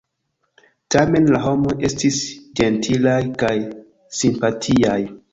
Tamen la homoj estis ĝentilaj kaj simpatiaj.